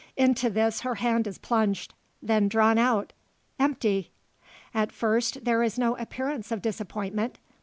Into this her hand is plunged; then drawn out empty! At first there is no appearance of disappointment.